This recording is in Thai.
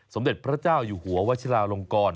สมเด็จพระเจ้าอยู่หัววัชิลาลงกร